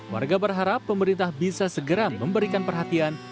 warga berharap pemerintah bisa segera memberikan perhatian